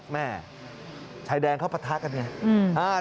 แม่ชายแดงเข้าประทากันอย่างไร